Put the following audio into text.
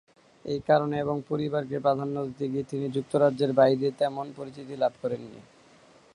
এই কারণে এবং পরিবারকে প্রাধান্য দিতে গিয়ে তিনি যুক্তরাজ্যের বাইরে তেমন পরিচিতি লাভ করেননি।